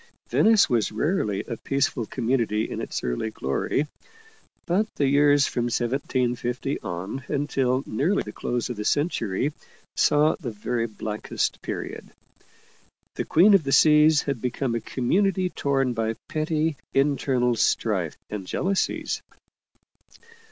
Venice was rarely a peaceful community in its early glory. But the years from 1750 on until nearly tlv close of the century saw the very blackest period. The Queen of the Seas had become a community torn by petty internal strife and jealousies.